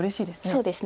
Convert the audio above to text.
そうですね。